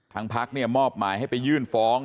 ทั้งพักมอบมาให้ไปยื่นฟ้อง